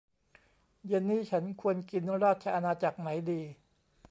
เย็นนี้ฉันควรกินราชอาณาจักรไหนดี